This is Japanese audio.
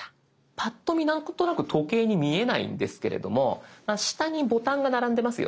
パッと見なんとなく時計に見えないんですけれども下にボタンが並んでますよね。